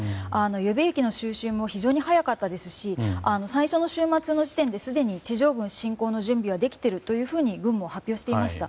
予備役の招集も非常に早かったですし最初の週末の時点ですでに地上軍侵攻の準備ができているというふうに軍も発表していました。